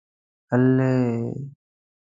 هلئ!